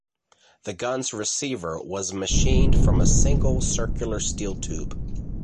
The gun's receiver was machined from a single circular steel tube.